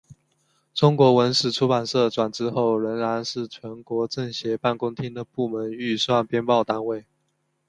中国文史出版社转制后仍然是全国政协办公厅的部门预算编报单位。